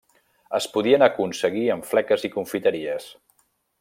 Es podien aconseguir en fleques i confiteries.